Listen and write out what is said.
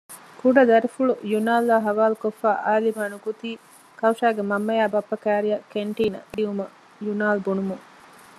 ކުޑަ ދަރިފުޅު ޔުނާލްއާއި ހަވާލުކޮށްފައި އާލިމާ ނުކުތީ ކައުޝާގެ މަންމައާއި ބައްޕަ ކައިރިއަށް ކެންޓީނަށް ދިޔުމަށް ޔުނާލް ބުނުމުން